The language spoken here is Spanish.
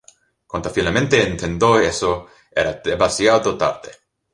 Cuando finalmente intentó eso, era demasiado tarde.